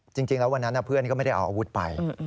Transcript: จริงแล้ววันนั้นเพื่อนก็ไม่ได้เอาอาวุธไป